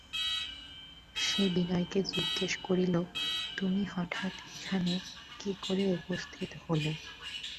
সে বিনয়কে জিজ্ঞাসা করিল, তুমি হঠাৎ এখানে কী করে উপস্থিত হলে।